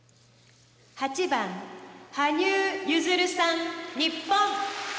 「８番羽生結弦さん日本」。